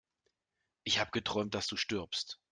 Ich habe geträumt, dass du stirbst!